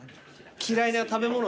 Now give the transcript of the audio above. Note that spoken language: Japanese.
嫌いな食べ物